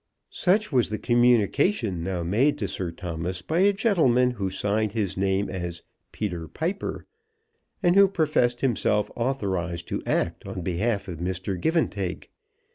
Such was the communication now made to Sir Thomas by a gentleman who signed his name as Peter Piper, and who professed himself authorised to act on behalf of Mr. Givantake.